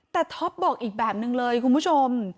แต่ท็อปบอกอีกแบบนึงเลยคุณผู้ชม